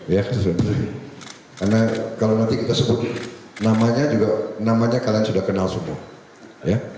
karena kalau nanti kita sebut namanya namanya kalian sudah kenal semua